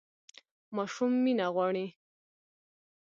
ماشوم مینه غواړي